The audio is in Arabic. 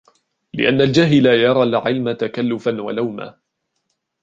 لِأَنَّ الْجَاهِلَ يَرَى الْعِلْمَ تَكَلُّفًا وَلَوْمًا